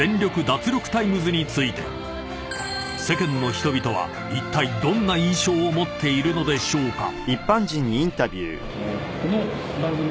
脱力タイムズ』について世間の人々はいったいどんな印象を持っているのでしょうか］